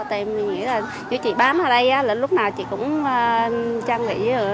tại vì mình nghĩ là nếu chị bám ra đây là lúc nào chị cũng trang bị